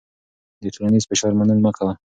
د ټولنیز فشار منل مه کوه.